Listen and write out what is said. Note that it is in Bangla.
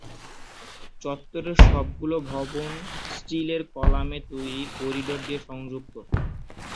চত্বরের সবগুলো ভবন স্টিলের কলামে তৈরি করিডর দিয়ে সংযুক্ত।